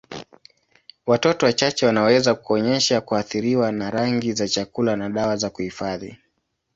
Watoto wachache wanaweza kuonyesha kuathiriwa na rangi za chakula na dawa za kuhifadhi.